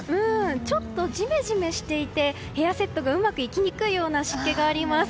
ちょっとジメジメしていてヘアセットがうまくいきにくいような湿気があります。